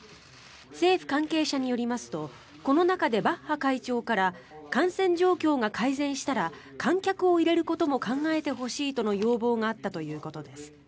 政府関係者によりますとこの中でバッハ会長から感染状況が改善したら観客を入れることも考えてほしいとの要望もあったということです。